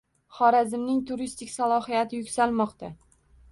Xorazmning turistik salohiyati yuksalmoqda